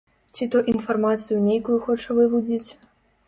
Ці то інфармацыю нейкую хоча вывудзіць?